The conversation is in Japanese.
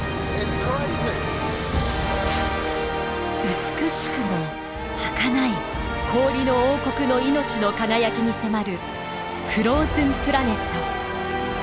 美しくもはかない氷の王国の命の輝きに迫る「フローズンプラネット」。